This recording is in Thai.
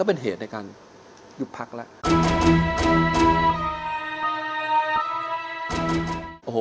เป็นเหตุในการยุบพักแล้ว